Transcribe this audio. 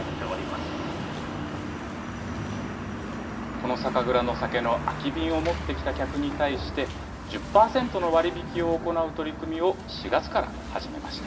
この酒蔵の酒の空き瓶を持って来た客に対して、１０％の割引を行う取り組みを４月から始めました。